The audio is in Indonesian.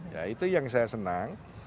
ya itu yang saya senang